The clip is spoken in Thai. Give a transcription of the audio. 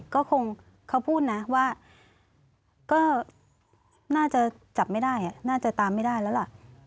ก็คงเขาพูดนะว่าก็น่าจะจับไม่ได้น่าจะตามไม่ได้แล้วล่ะ